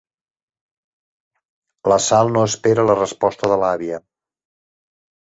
La Sal no espera la resposta de l'àvia.